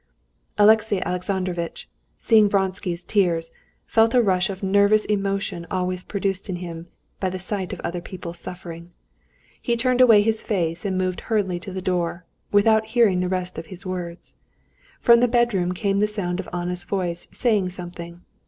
Alexey Alexandrovitch, seeing Vronsky's tears, felt a rush of that nervous emotion always produced in him by the sight of other people's suffering, and turning away his face, he moved hurriedly to the door, without hearing the rest of his words. From the bedroom came the sound of Anna's voice saying something.